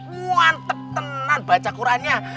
muantep tenang baca kurannya